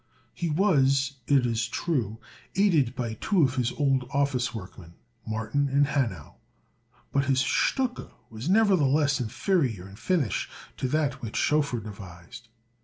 He was, it is true, aided by two of his old office workmen, Martin and Hanau; but his stucke was nevertheless inferior in finish to that which Schoeffer devised.